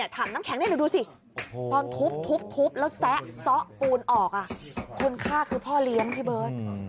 คนฆ่าคือพ่อเลี้ยงที่เบิร์ต